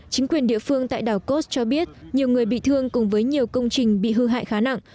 chính quyền địa phương tại đảo côz cho biết nhiều người bị thương cùng với nhiều công trình bị hư hại khá nặng